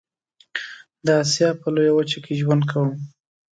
د آسيا په لويه وچه کې ژوند کوم.